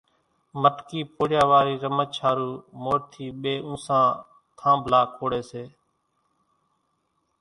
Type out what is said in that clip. مٽڪي ڦوڙيا واري رمچ ۿارُو مور ٿي ٻي اُونسا ٿانڀلا کوڙي سي،